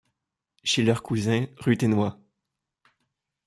Chez leur cousin Ruthénois.